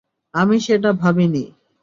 আমি সেটা ভাবিনা।